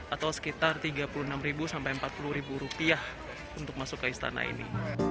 atau sekitar rp tiga puluh enam sampai rp empat puluh untuk masuk ke istana ini